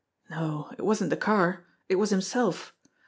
No, it wasn't the car, it was himself.